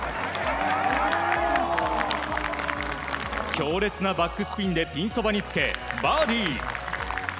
強烈なバックスピンでピンそばにつけバーディー。